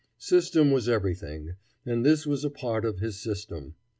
System was everything, and this was a part of his system.